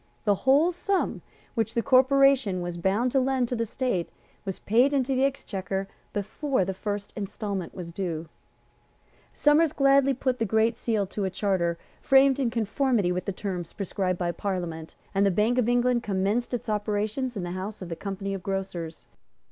The whole sum which the Corporation was bound to lend to the State was paid into the Exchequer before the first instalment was due. Somers gladly put the Great Seal to a charter framed in conformity with the terms prescribed by Parliament; and the Bank of England commenced its operations in the house of the Company of Grocers.